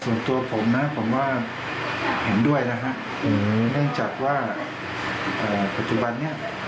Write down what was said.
ส่วนตัวผมนะผมว่าเห็นด้วยนะฮะเนื่องจากว่าปัจจุบันนี้